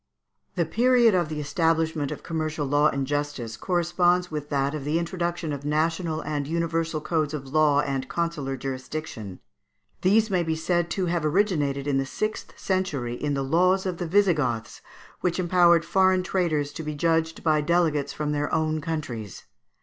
] The period of the establishment of commercial law and justice corresponds with that of the introduction of national and universal codes of law and consular jurisdiction. These may be said to have originated in the sixth century in the laws of the Visigoths, which empowered foreign traders to be judged by delegates from their own countries.